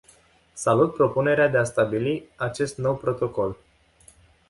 Salut propunerea de a stabili acest nou protocol.